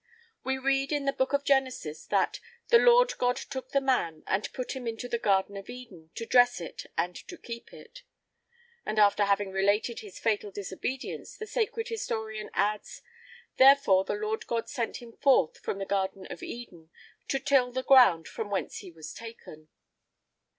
We read in the Book of Genesis that: "The Lord God took the man, and put him into the garden of Eden, to dress it and to keep it"[I 2] And, after having related his fatal disobedience, the sacred historian adds: "Therefore the Lord God sent him forth from the garden of Eden, to till the ground from whence he was taken."